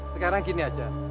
sekarang gini aja